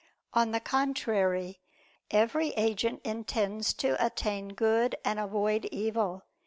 On the contrary, Every agent intends to attain good and avoid evil.